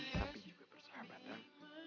tapi juga persahabatan